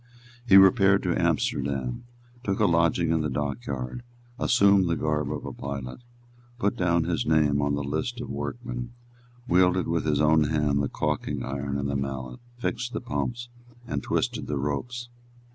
He repaired to Amsterdam, took a lodging in the dockyard, assumed the garb of a pilot, put down his name on the list of workmen, wielded with his own hand the caulking iron and the mallet, fixed the pumps, and twisted the ropes.